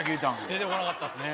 出てこなかったですね。